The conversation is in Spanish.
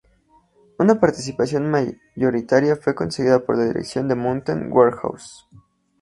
Una participación mayoritaria fue conseguida por la dirección de Mountain Warehouse.